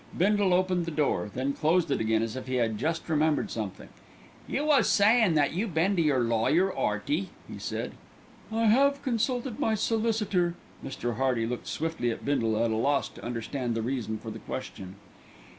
Bindle opened the door, then closed it again, as if he had just remembered something. "You was sayin' that you been to your lawyer, 'Earty," he said. "I have consulted my solicitor." Mr. Hearty looked swiftly at Bindle, at a loss to understand the reason for the question.